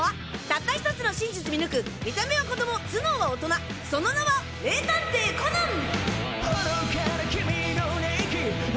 たった１つの真実見抜く見た目は子供頭脳は大人その名は名探偵コナン！